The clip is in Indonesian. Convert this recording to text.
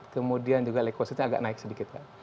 kemudian juga likositnya agak naik sedikit